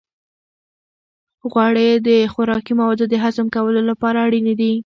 غوړې د خوراکي موادو د هضم کولو لپاره اړینې دي.